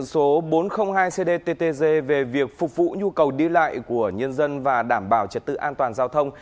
số bốn trăm linh hai cdttg về việc phục vụ nhu cầu đi lại của nhân dân và đảm bảo trật tự an toàn giao thông